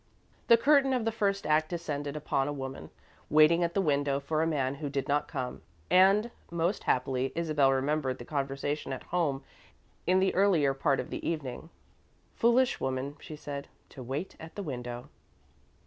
The curtain of the first act descended upon a woman, waiting at the window for a man who did not come, and, most happily, Isabel remembered the conversation at home in the earlier part of the evening. "Foolish woman," she said, "to wait at the window."